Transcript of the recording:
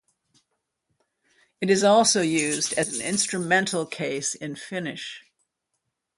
It is also used as an instrumental case in Finnish.